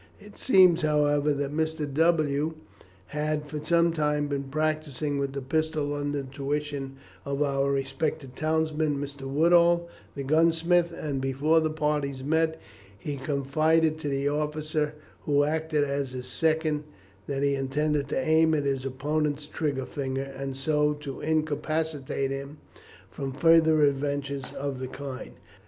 It seems, however, that Mr. W t had for some time been practising with the pistol under the tuition of our respected townsman, Mr. Woodall the gunsmith, and before the parties met he confided to the officer who acted as his second that he intended to aim at his opponent's trigger finger and so to incapacitate him from further adventures of the kind.